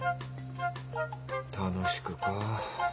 楽しくか。